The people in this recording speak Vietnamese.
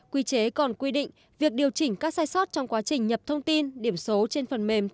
quy chế còn quy định việc điều chỉnh các sai sót trong quá trình nhập thông tin điểm số trên phần mềm